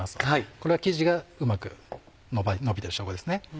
これは生地がうまくのびてる証拠ですね。